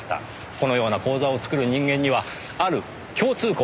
このような口座を作る人間にはある共通項があります。